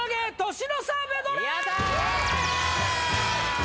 年の差メドレー